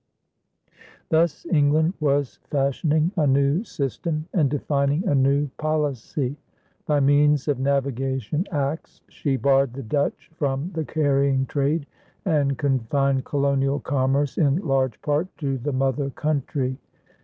Thus England was fashioning a new system and defining a new policy. By means of navigation acts, she barred the Dutch from the carrying trade and confined colonial commerce in large part to the mother country.